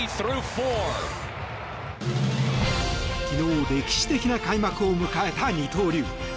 昨日、歴史的な開幕を迎えた二刀流。